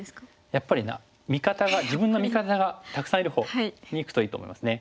やっぱり自分の味方がたくさんいるほうにいくといいと思いますね。